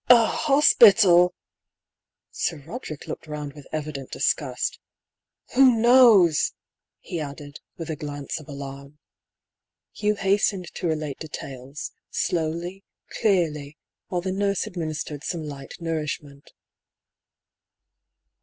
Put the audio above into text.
" A — ^hospital !" Sir Roderick looked round with evi dent disgust. " Who — knows ?" he added, with a glance of alarm. Hugh hastened to relate details, slowly, clearly, while the nurse administered some light nourishment.